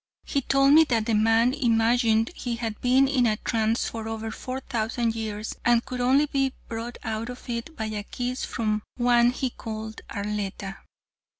He told me that the man imagined he had been in a trance for over four thousand years, and could only be brought out of it by a kiss from one he called Arletta.